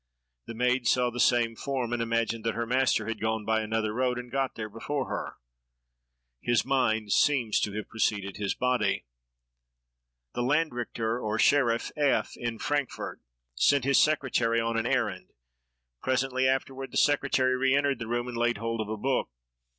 The maid saw the same form, and imagined that her master had gone by another road, and got there before her. His mind seems to have preceded his body. The landrichter, or sheriff, F——, in Frankfort, sent his secretary on an errand. Presently afterward, the secretary re entered the room, and laid hold of a book.